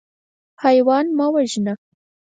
حیوان مه وژنه.